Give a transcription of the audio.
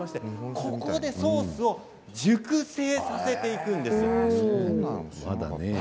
ここでソースを熟成させていくんです。